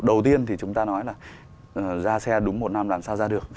đầu tiên thì chúng ta nói là ra xe đúng một năm làm sao ra được